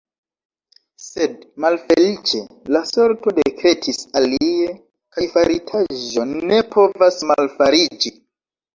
Sed, malfeliĉe, la sorto dekretis alie, kaj faritaĵo ne povas malfariĝi.